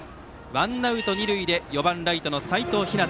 ワンアウト二塁で４番ライトの齋藤陽。